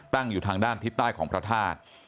อยู่ทางด้านทิศใต้ของพระธาตุ